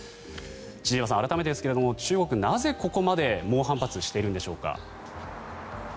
千々岩さん、改めてですが中国はなぜ、ここまで猛反発しているんでしょうか。